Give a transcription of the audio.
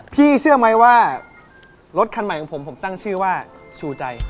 เชื่อไหมว่ารถคันใหม่ของผมผมตั้งชื่อว่าชูใจ